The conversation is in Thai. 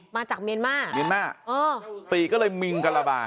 มาจากเมรม่าเมรม่าตีก็เลยมิ่งกันละบ่า